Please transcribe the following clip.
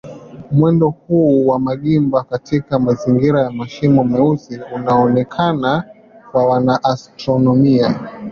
Mwendo huu wa magimba katika mazingira ya mashimo meusi unaonekana kwa wanaastronomia.